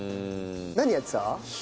何やってた？